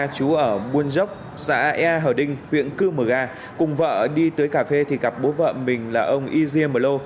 trú ở buôn dốc xã ea hở đinh huyện cư mờ gà cùng vợ đi tới cà phê thì gặp bố vợ mình là ông yngwe mờ lô